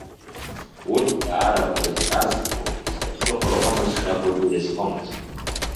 Урҭ даара акрызҵазкқәо, зда ԥсыхәа ыҟамыз шракәугьы, иазхомызт.